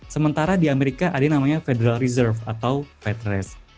sementara di amerika ada yang namanya federal reserve atau fed race